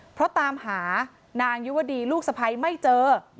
เพราะตามหานางยุวดีลูกสะพ้ายไม่เจอ